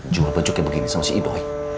jual bajunya begini sama si idoi